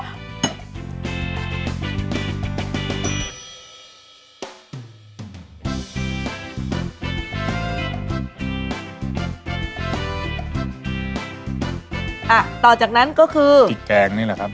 อ่ะต่อจากนั้นก็คือพริกแกงนี่แหละครับ